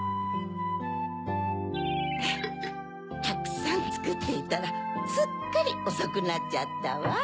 たくさんつくっていたらすっかりおそくなっちゃったわ。